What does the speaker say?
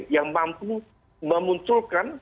yang mampu memunculkan